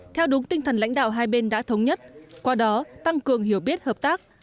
theo đúng tinh thần lãnh đạo hai bên đã thống nhất qua đó tăng cường hiểu biết hợp tác